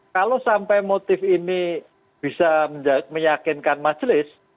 kalau sampai motif ini bisa meyakinkan majelis